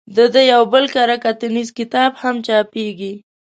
د ده یو بل کره کتنیز کتاب هم چاپېږي.